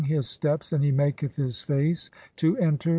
his steps and he maketh his face to enter